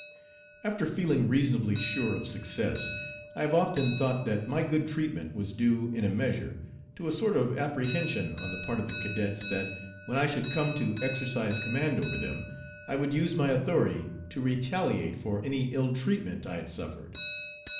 After feeling reasonably sure of success, I have often thought that my good treatment was due in a measure to a sort of apprehension on the part of the cadets that, when I should come to exercise command over them, I would use my authority to retaliate for any ill treatment I had suffered.